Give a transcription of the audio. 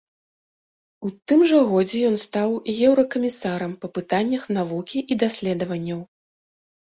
У тым жа годзе ён стаў еўракамісарам па пытаннях навукі і даследаванняў.